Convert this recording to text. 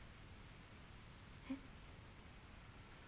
えっ？